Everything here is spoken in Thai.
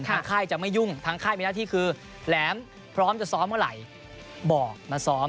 ค่ายจะไม่ยุ่งทางค่ายมีหน้าที่คือแหลมพร้อมจะซ้อมเมื่อไหร่บอกมาซ้อม